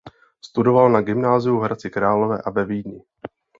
Studoval na gymnáziu v Hradci Králové a ve Vídni.